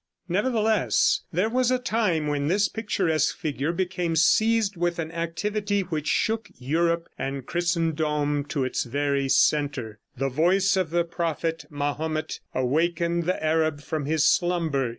Nevertheless, there was a time when this picturesque figure became seized with an activity which shook Europe and Christendom to its very center. The voice of the prophet Mahomet awakened the Arab from his slumber.